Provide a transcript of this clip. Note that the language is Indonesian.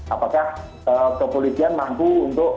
apakah kepolisian mampu untuk